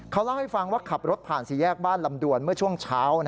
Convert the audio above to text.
เขาเล่าให้ฟังว่าขับรถผ่านสี่แยกบ้านลำดวนเมื่อช่วงเช้า